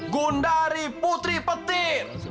gundari putri petir